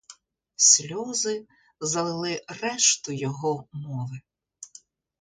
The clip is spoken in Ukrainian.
Сльози залили решту його мови.